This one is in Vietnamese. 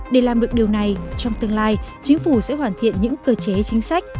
để làm được điều này trong tương lai chính phủ sẽ hoàn thiện những cơ chế chính sách